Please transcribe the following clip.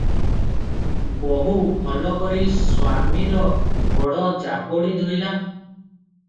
ବୋହୂ ଭଲ କରି ସ୍ୱାମୀର ଗୋଡ଼ ଜାବଡ଼ି ଧଇଲା ।